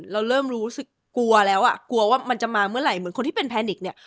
เราเริ่มรู้สึกกลัวแล้วอ่ะกลัวว่ามันจะมาเมื่อไหร่เหมือนคนที่เป็นแพนิกเนี่ย